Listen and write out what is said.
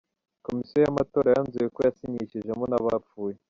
Komisiyo y’amatora yanzuye ko yasinyishijemo n’abapfuye.